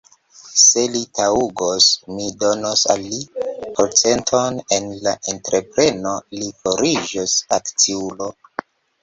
Se li taŭgos, mi donos al li procenton en la entrepreno; li fariĝos akciulo.